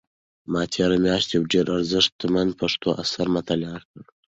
ما تېره میاشت یو ډېر ارزښتمن پښتو اثر مطالعه کړ.